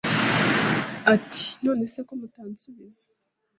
ati nonese ko mutansubiza